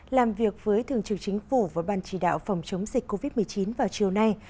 làm việc với thường trưởng chính phủ và ban chỉ đạo phòng chống dịch covid một mươi chín vào chiều nay